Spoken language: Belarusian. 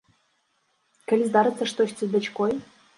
Калі здарыцца штосьці з дачкой?